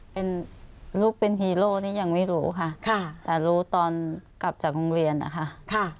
เป็นลูกเป็นฮีโร่นี่ยังไม่รู้ค่ะแต่รู้ตอนกลับจากโรงเรียนนะคะ